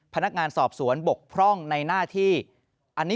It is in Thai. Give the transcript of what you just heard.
พนักงานสอบสวนบกพร่องในหน้าที่